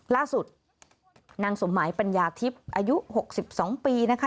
ล่าสุดนางสมหมายปัญญาทิพย์อายุ๖๒ปีนะคะ